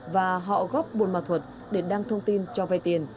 và họ góp bôn ma thuật để đăng thông tin cho vai tiền